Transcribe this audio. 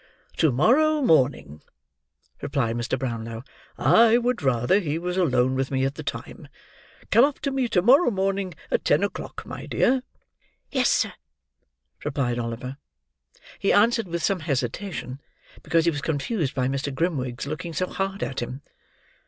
"To morrow morning," replied Mr. Brownlow. "I would rather he was alone with me at the time. Come up to me to morrow morning at ten o'clock, my dear." "Yes, sir," replied Oliver. He answered with some hesitation, because he was confused by Mr. Grimwig's looking so hard at him.